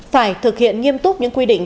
phải thực hiện nghiêm túc những quy định